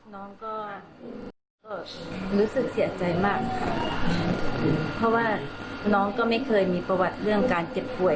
น้องก็รู้สึกเสียใจมากค่ะเพราะว่าน้องก็ไม่เคยมีประวัติเรื่องการเจ็บป่วย